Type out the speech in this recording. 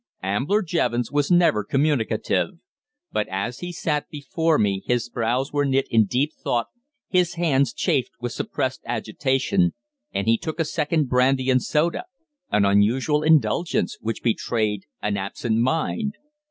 Ambler Jevons was never communicative. But as he sat before me his brows were knit in deep thought, his hands chafed with suppressed agitation, and he took a second brandy and soda, an unusual indulgence, which betrayed an absent mind.